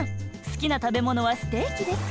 すきな食べ物はステーキです。